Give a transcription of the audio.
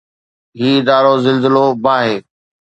هي ادارو زلزلو، باهه